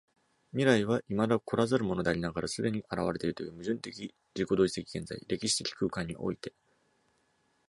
未来は未だ来らざるものでありながら既に現れているという矛盾的自己同一的現在（歴史的空間）において、